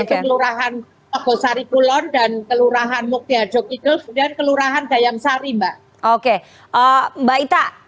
kelurahan mogosari kulon dan kelurahan mukti adjo kikus dan kelurahan dayang sari mbak oke mbak ita